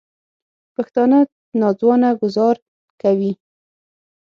پښتانه نا ځوانه ګوزار کوي